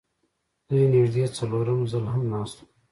دوی نږدې څلورم ځل هم ناست وو